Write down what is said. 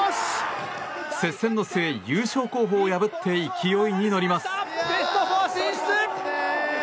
接戦の末、優勝候補を破って勢いに乗ります。